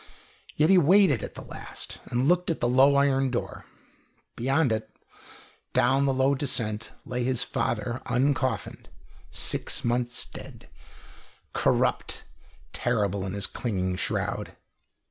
Yet he waited at the last, and looked at the low iron door. Beyond it, down the long descent, lay his father uncoffined, six months dead, corrupt, terrible in his clinging shroud.